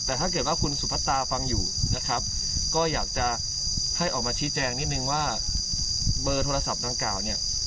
แต่ขอมาชี้แจงนิดนึงว่าเบอร์โทรศัพท์ตังกล่าว